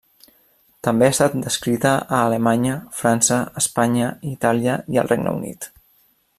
També ha estat descrita a Alemanya, França, Espanya, Itàlia i el Regne Unit.